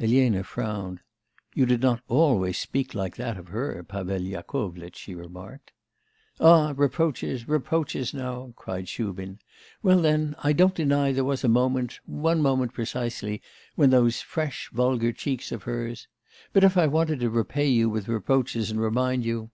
Elena frowned. 'You did not always speak like that of her, Pavel Yakovlitch,' she remarked. 'Ah! reproaches! reproaches now!' cried Shubin. 'Well, then I don't deny there was a moment one moment precisely, when those fresh, vulgar cheeks of hers... But if I wanted to repay you with reproaches and remind you...